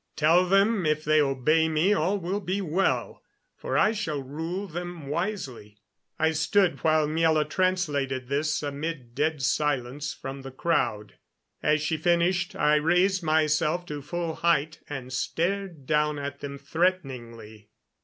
Tell them if they obey me all will be well, for I shall rule them wisely." I stood while Miela translated this amid dead silence from the crowd. As she finished I raised myself to full height and stared down at them threateningly.